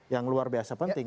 yang luar biasa penting